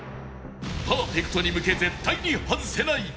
パーフェクトに向け絶対に外せない